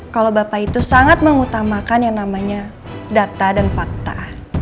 kalau bapak itu sangat mengutamakan yang namanya data dan fakta